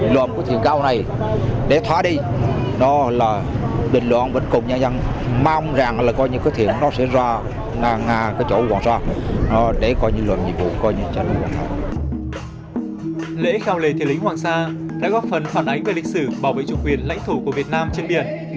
lễ khao lễ thế lính hoàng sa đã góp phần phản ánh về lịch sử bảo vệ chủ quyền lãnh thổ của việt nam trên biển